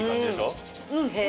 うんへえ。